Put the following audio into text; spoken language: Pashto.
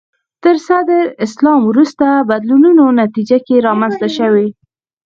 تر صدر اسلام وروسته بدلونونو نتیجه کې رامنځته شوي